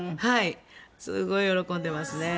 すごい喜んでますね。